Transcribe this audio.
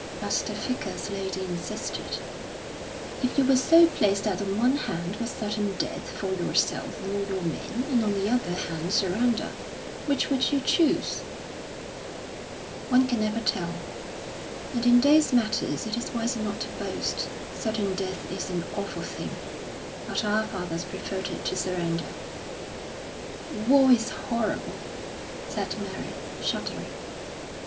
But the Vicar's lady insisted: "If you were so placed that on one hand was certain death for yourself and all your men, and on the other hand surrender, which would you chose?" "One can never tell; and in those matters it is wiser not to boast. Certain death is an awful thing, but our fathers preferred it to surrender." "War is horrible!" said Mary, shuddering.